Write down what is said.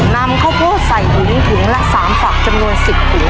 นำข้าวโพดใส่ถุงถุงละ๓ฝักจำนวน๑๐ถุง